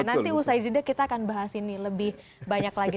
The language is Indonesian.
nanti usai jeda kita akan bahas ini lebih banyak lagi